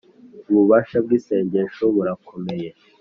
Ububasha bw’isengesho burakomeye